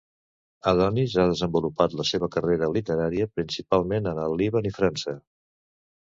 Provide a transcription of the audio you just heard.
Adonis ha desenvolupat la seva carrera literària principalment en el Líban i França.